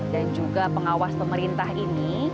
dan juga pengawas pemerintah ini